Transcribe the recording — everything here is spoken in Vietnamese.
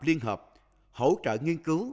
liên hợp hỗ trợ nghiên cứu